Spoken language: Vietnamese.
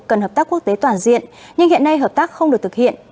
cần hợp tác quốc tế toàn diện nhưng hiện nay hợp tác không được thực hiện